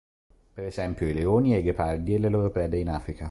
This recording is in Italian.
Per esempio, i leoni e i ghepardi e le loro prede in Africa.